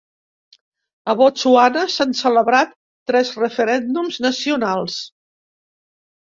A Botswana s'han celebrat tres referèndums nacionals.